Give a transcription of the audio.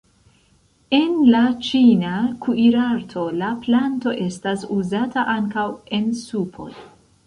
En la ĉina kuirarto la planto estas uzata ankaŭ en supoj.